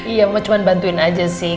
iya cuma mau bantuin aja sih